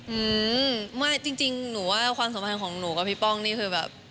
อืมไม่จริงหนูว่าความสัมพันธ์ของหนูกับพี่ป้องนี่คือแบบ